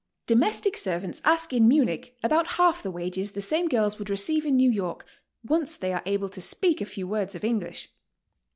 Domestic servants ask in Munich about half the wages the same girls would receive in New York, once they are able to speak a few words ot English.